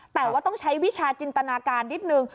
แต่ว่าต้องใช้วิชาจินตนาการนิดนึง